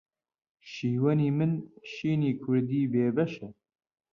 شیوەنی من شینی کوردی بێ بەشە